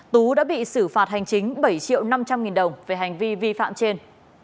tú đã bị xử phạt hành chính bảy triệu năm trăm linh nghìn đồng về hành vi vi phạm trên